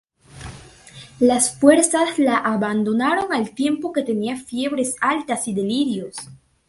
Las fuerzas la abandonaron al tiempo que tenía fiebres altas y delirios.